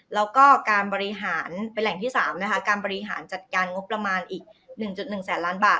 แล้วก็การบริหารเป็นแหล่งที่๓นะคะการบริหารจัดการงบประมาณอีก๑๑แสนล้านบาท